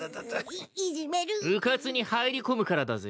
・うかつに入り込むからだぜ。